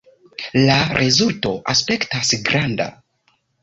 La rezulto aspektas granda!